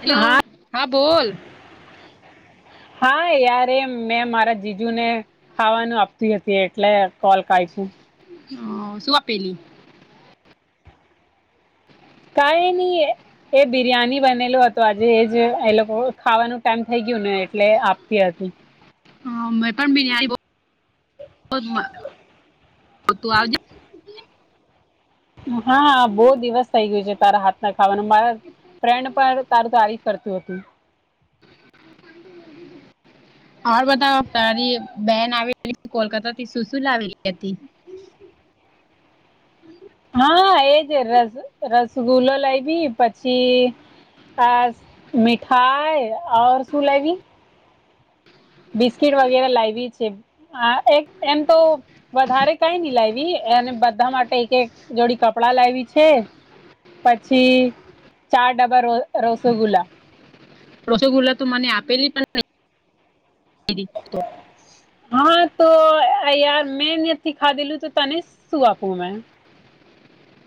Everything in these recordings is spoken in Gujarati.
હેલો હા હા બોલ હા યાર મેં મારા જીજુ ને ખાવાનું આપતી હતી એટલે કોલ ક હ શું આપેલી કઈ નહી એ એ બિરિયાની બનેલો હતો આજે એજ એ લોકો ખાવાનું ટાઈમ થઈ ગયું ને એટલે આપતી હતી હ મેં પણ બિરિયાની તું આવજ હા બહુ દિવસ થઇ ગયું છે તારા હાથ ના ખાવાનું મારા ફ્રેન્ડ પણ તારું તારીફ કરતું હતું હ બતા તારી બેન આવેલી કોલકાતા થી સુશુ લાવેલી હતી હા એજ રસ રસગુલ્લો લાવી પછી મિઠાઈ ઔ સુું લવી બિસ્કીટ વગેરે લાવવી છે. હા એક એમ તો વધારે કઈ નઈ લાવવી અને બધા માટે એક એક જોડી કપડાં લાવી છે. પછી ચાર ડબા રસોગુલ્લા રસગુલ્લા તો મને આપેલી પણ હા તો યાર મેથી ખા દેલું તો તને સુુંઆું મે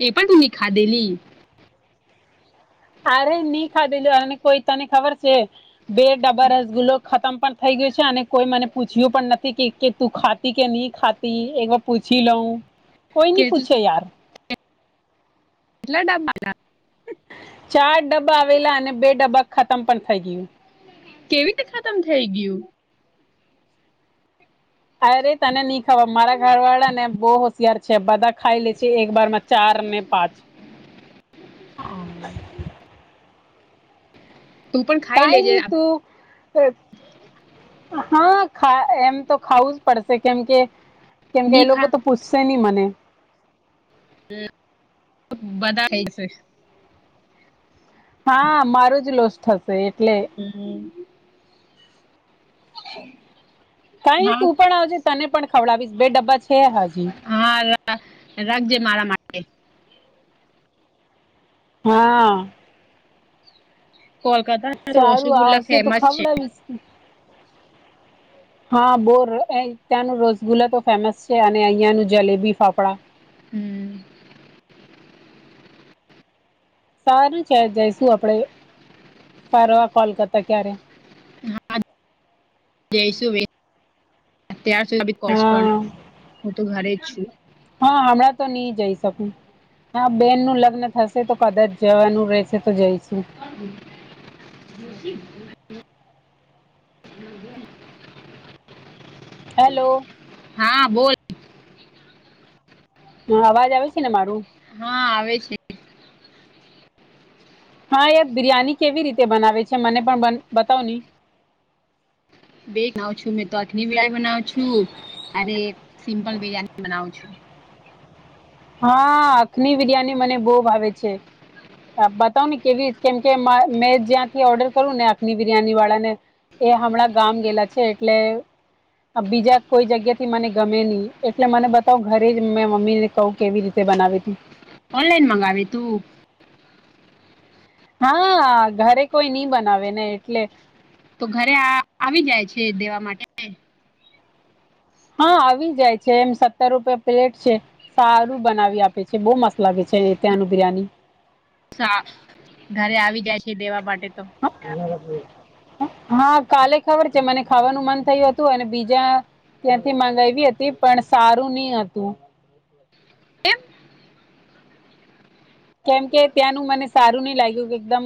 એ પણ ત ખાધેલી અરે નહી ખાધેલું અને કોઈ તને ખબર છે બે ડબ્બા રસગુલ્લો ખતમ પણ થઈ ગયું છે અને કોઈ મને પૂછ્યું પણ નથી કે તું ખાતી કે નહી ખાતી એક વાર પૂછી લઉં કોઈ ન કે પૂછે કેટલા યાર એટલા ડબ ચાર ડબ્બા આવેલા અને બે ડબ્બા ખતમ પણ થઈ ગયું કેવી રીતે ખતમ થઈ ગયું અરે તને નઈ ખબર મારા ઘર વાળા ને બહ યાર છે બધા ખાઈ લે છે એક બર માં ચાર ને પાંચ હ હ તું પણ ખાઈ કઈ લેજે નહી તું હાા એમ તો ખાવું જ પડશે કેમ કે કેમકે ની એ લોકો ખા તો પૂછશે નહી મને હમ બધા થઈ છે. હા મારો જ લોસ થશે એટલે હમ કઈ તું પણ આવજે તને પણ ખવડાવીશ બે ડબ્બા છે હજી હા રાખજે મારા માટે હા કોલકાતા સારું રસગુલ્લા આવશે તો ફેમસ છે ખામણાવીશ હા બો ત્યાંનું રસગુલ્લા તો ફેમસ છે અને અહિયાંનું જલેબી ફાફડા હમ સારું છે જઈશું આપડે ફારવા કોલ કરતા ક્યારે જયશ ભાઈ અત્યાર સુધી કોજ પણ હા હું તો ઘરે જ છું હા હમણાં તો નહી જઈ શકું હા બેન નું લગ્ન થશે તો કદાચ જવાનું રહેશે તો જઈશું. [inaudible] [inaudible] હેલો. હા બોલ. હ અવાજ આવે છેને, મારું. હા આવે છે. હા યાર બિરિયાની કેવી રીતે બનાવે છે, મને પણ બતાવ હી. બેવ છું મે તો અગિ બનાવ છું અને સિમ્પલ બિરિયાની બનાવ છું. હા અખની બિરયાની મને બહુ ભાવે છે. બતાવ ને કેવી રી કેમ કે મેં જ્યાંથી ઓર્ડર કરું ને આખની બિરિયાની વાળા ને. એ હમણાં ગામ ગેલા છે, એટલે. બીજા કોઈ જગ્યા થી મને ગમે નહી, એટલે મને બતાવ ઘરે જ મેં મમ્મી ને કહું. કેવી રીતે બનાવી ત ઓનલાઈન મગાવે તુ. હા ઘરે કોઈ નઈ બનાવે ને એટલે. તો ઘરે આવી જાય છે દેવા માટે. હા આવી જાય છે એમ સત્તર રૂપિયા પ્લેટ છે. સારું બનાવી આપે છે, બહુ મસ્ત લાગે છે ત્યાંનું બિરયાની. સા ઘરે આવી જાય છે દેવા માટે તો. હ એ હા કાલે ખબર છે મને ખાવાનું મન થયું હતું અને બીજા. ત્યાંથી મગાવી હતી પણ સારું નહ હતુ. કેમ. કેમ કે ત્યાંનું મને સારું નહ લાગ્યું કે એકદમ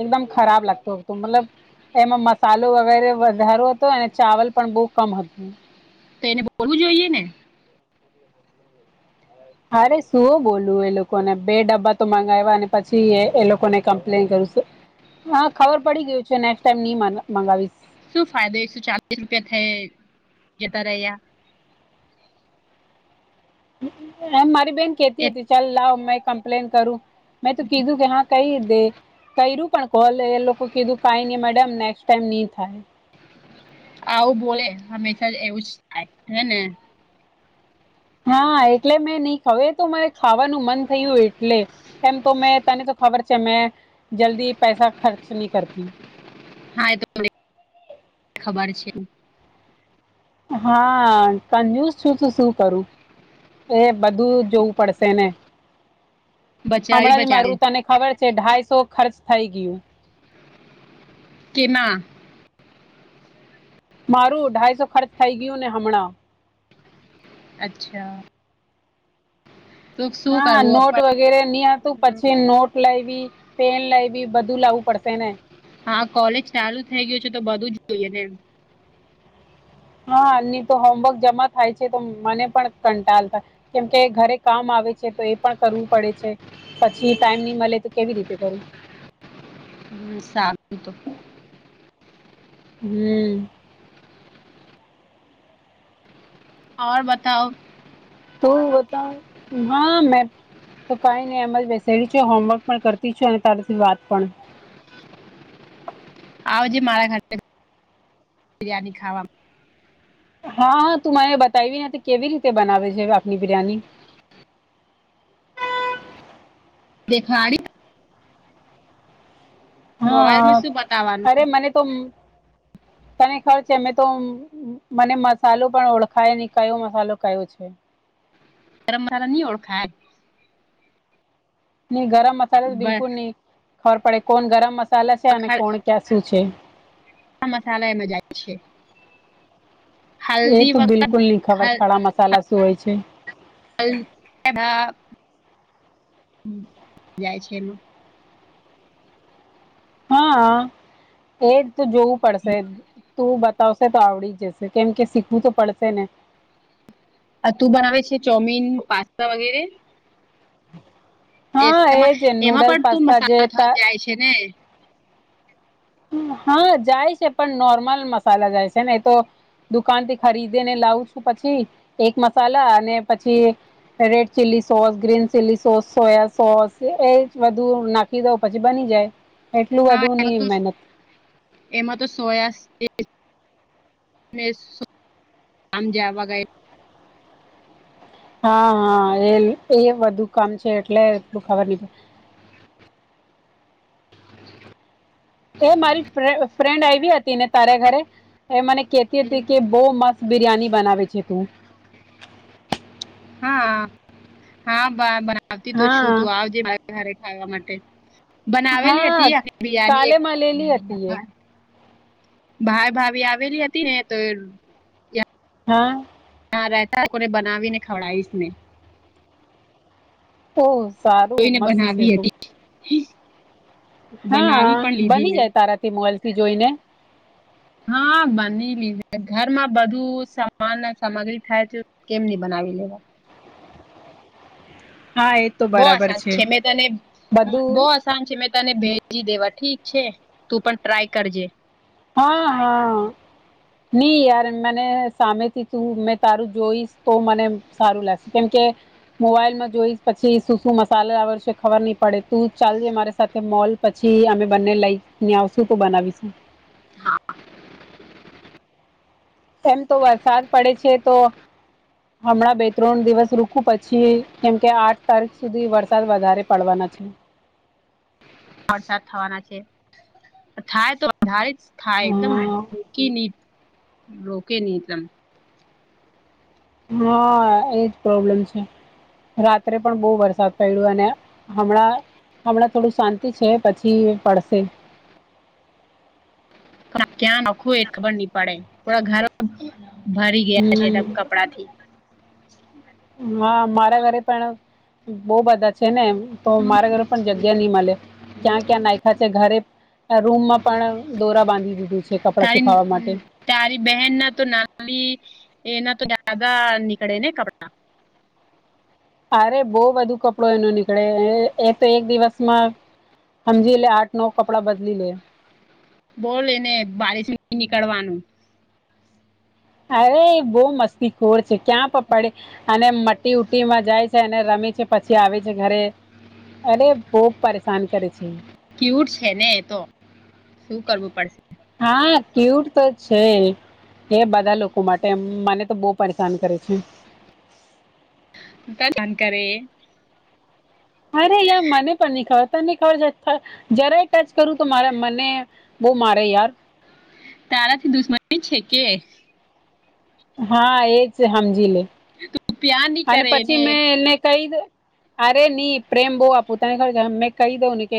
એકદમ ખરાબ લાગતો હતો, મતલબ. એમાં મસાલો વગેરે વધારો હતો અને ચાવલ પણ બહુ કમ હતું. તો એને બોલવું જોઈએ ને. હમ્મ અરે શું બોલું એ લોકોને બે ડબ્બા તો મગાવ્યા અને પછી એ લોકો ને કમ્પ્લેન કરુંશું. હા ખબર પડી ગયું છેને, ક્સ્ટ ટાઈમ નઈ મગાવીશ. શું ફાયદો એકસો ચાલીસ રૂપિયા થ જતા રહ્યા. મારી બહેન એ કેતી હતી ચાલ લાવ મેં કમપ્લેન કરું. મેં તો કીધું કે હા કઈ એે. કર્યું પણ કોલે એ લોકો કીધું કઈ ન મેડમ નેક્સ્ટ ટાઈમ નહી થાય. આવું બોલે હંમેશા એવું જ હેને. હા એટલે મેં નહ ખાવ તો મારે ખાવાનું મન થયું એટલે. એમ તો મેં તની તો ખબર છે મેં જલ્દી પૈસા ખર્ચ નહી કરતી. હા એ તો ખબર છે. હા કજુસ છું તું શું કરુ. એ બધું જોવું પડશે ને બચાવી હમણાં જ બચાવે મારું તને ખબર છે ઢાઈસો ખર્ચ થઈ ગયું. કેના. મારું અઢાઈસો ખર્ચ થઈ ગયું ને હમણા. અચ્છા. તો શું હા હા કરવું નોટ પણ વા વગેરે ની હતું પછી નોટ લેવી પેન લેવી બધું લાવવું પડશે ને હા કોલેજ ચાલુ થઈ ગયું છે, તો બધું જ જોઈએ ને એમ હા તો હોમવર્ક જમા થાય છે, તો મને પણ કંટાલ થાય. કેમ કે ઘરે કામ આવે છે, તો એ પણ કરવું પડે છે. પછી ટાઈમ નહી મળે તો કેવી રીતે કરુ. સા તો હમ્મ બતાવ તું બતા હા મે તો કંઈ નહી અમલ બેસેલી છે હોમવર્ક પણ કરતી છું અને તારી વાત પણ આવજે મારા ઘર બિરિયાની ખાવામાં હા તું મને બતાવી કેવી રીતે બનાવે છે આપની બિરયાની દેખડી મોબાઈલ હા માં શું બતાવવાનું અરે મને તો તને ખબર છે મેં તો મને મસાલો પણ ઓળખાય નહી કયો મસાલો કયો છે ગરમ મસાલા નની ઓળખાય નઈ ગરમ મસાલા તો બ બિલકુલ નહી ખબર પડે કોણ ગરમ મસાલા છે અને ખડા કોણ ક્યાં સુું છે મસાલા એ મજ જાય છે એ હલ્દી તો વગેરે બિલકુલ નહ ખબર ખડા મસાલા શું હોય છે જાય છે એ હા એ તો જોવું પડશે તું બતાવશે તો આવડી જશે કેમ કે શીખવું તો પડશે ને તું બનાવે છે ચોમીન પાસ્તા વગેરે એ હા એમાં એજ એમાં નૂડલ્સ પણ તું પાસ્તા મસાલો જે થ તા જાય છે ને હા જાય છે પણ નોર્મલ મસાલા જાય છે ને એ તો દુકાન થી ખરીદે ને લાવું છું પછી એક મસાલા અને પછી red chilli sauce green chilli sauce soya sauce એજ બધું ના કીધો પછી બની જાય એટલું હા બધું એમાં નહી તો મહેનત એમાં તો સોયા મે આમજવાગય હા હા એ એ બધુ કામ છે એટલેલું ખબર નહ પડે એ મારી ફ્રેન્ડ આવી હતી ને તારેા ઘરે એ મને કેતી હતી કે બહુ મસ્ત બિરિયાની બનાવે છે તું હા હા બવતી તો છું તું હા આવજે ખાવા માટે બનાવે લ હા હતી અખલી બરની એક કાલે માં લેલી હતી એ ભાઈ ભાાવી આવેલી હતી ને તો હા હા રહેતા લોકોને બનાવી ને ખવડાવીશ ને ઓ જોઈને બનાવી હતી બનાવી હા પણ લીધી બની મેં જાય તારા થી મોબાઈલ થી જોઈને હા બની લી છે ઘરમાં બધું સામાન સામગ્રી થાય છે કેમ નની બનાવી લેવા હા એ તો બોસ બરાબર સાચ છે મેં તને બધું બોસ છે મેં તને ભેજી દેવા ઠીક છે તું પણ ટ્રાય કરજે હા હા નઈ યાર મને સામેથી તું મેં તારું જોઈશ તો મને સારું લાગશે કેમકે મોબાઈલમાં જોઈ પછી શું શું મસાલ આવશે ખબર નહી પડે તું ચાલજે મારે સાથે મોલ પછી અમે બંને લઈ ને આવશું તો બનાવીશું એમ તો વરસાદ પડે છે તો હમણાં બે ત્રણ દિવસ રૂકું પછી કેમકે આઠ તારીખ સુધી વરસાદ વધારે પડવાના છે વરસાદ થવાના છે થાય તો વધારે જ થાય એકદમ હા રોકી ન રોકે નહી એકદમ હા એજ પ્રોબ્લેમ છે રાત્રે પણ બહુ વરસાદ પડ્યો અને હમણાં હમણાં થોડું શાંતિ છે પછી પડશે ક્યાં આખું એ ખબર નહી પડે પરા ઘર ભરી ગયા છેદમ હમ કપડા થી હા મારા ઘરે પણ બહ બધા છે ને તો મારા ઘરે પણ જગ્યા નહી મળે ક્યાં ક્યાં નાયખા છે ઘરે રૂમમાં પણ દોરા બાંધી દીધું છે કપડાં તારી સુખાવા માટે તારી બહેન ના તો નાની એના તો દાદા નીકળે ને કપડા અરે બહ બધુ કપડો એનો નીકળે એ તો એક દિવસમાં સમજી એટલે આઠ નવ કપડા બદલી લે બોલ એને બારીિશ ન નીકળવાનું અરે બહુ મસ્તી ખોર છે ક્યાં પણ પડે અને મી ઉટીમાં જાય છે અને રમે છે પછી આવે છે ઘરે અરે બહ પરેશાન કરે છે ક્યુટ છે ને તો શું કરવું પડશે હા ક્યુટ તો છે એ બધા લોકો માટે એમ મને તો બહુ પરેશાન કરે છે ત જાણ કરે અરે યાર મને પણ નહી ખબર તને ખબર છે જરાય ટચ કરું તો મારા મને બહ મારે યાર સારાથી દુશ્મની છે કે હા એજ સમજી લે તું પ્યાર નહીં અને કરે એને પછી મેં એને કઈ અરે નહી પ્રેમ બહ આપ પોતાનીર મેં કહી દઉં ને કે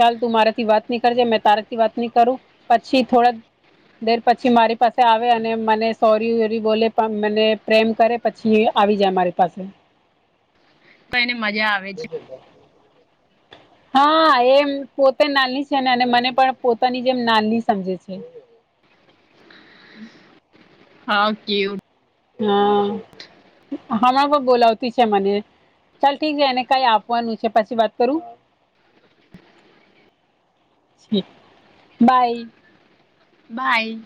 ચાલ તું મારાથી વાત નહી કરજે મેં તારાથી વાત નહી કરું પછી થોડા દેર પછી મારી પાસે આવે અને મને સોરી ઓરી બોલે મને પ્રેમ કરે પછી આવી જાય અમારી પાસે હ પણ એને મજા આવે છે [unintelligible] હા એમ પોતે નાલની છે ને અને મને પણ પોતાની જેમ નાની સમજે છે હા ઓકે ઓ હા હણા પણ બોલાવતી છે મને ચાલ ઠીક છે એને કઈ આપવાનું છે પછી વાત કરું બાય બાય